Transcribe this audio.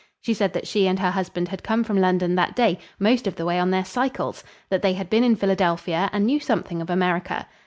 She said that she and her husband had come from London that day, most of the way on their cycles; that they had been in Philadelphia and knew something of America.